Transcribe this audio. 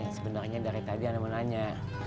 ustadz sebenarnya dari tadi anak mau nanya